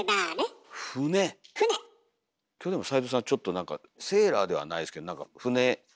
今日齊藤さんちょっとセーラーではないですけどなんか船。